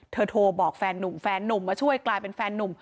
เธอโทรบอกแฟนหนุ่มมาช่วยกลายเป็นแฟนหนุ่ม